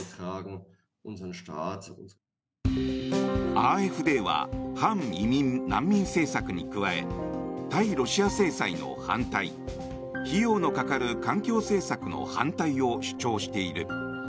ＡｆＤは反移民・難民政策に加え対ロシア制裁の反対費用のかかる環境政策の反対を主張している。